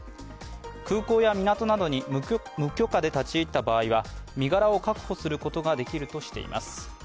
空港や港などに無許可で立ち入った場合は身柄を確保することができるとしています。